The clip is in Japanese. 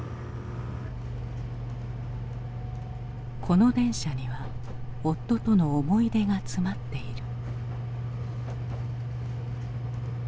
この電車には夫との思い出が詰まっている。